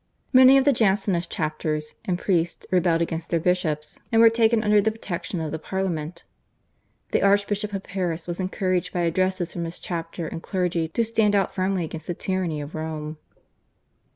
Many of the Jansenist chapters and priests rebelled against their bishops, and were taken under the protection of the Parliament. The Archbishop of Paris was encouraged by addresses from his chapter and clergy to stand out firmly against the tyranny of Rome.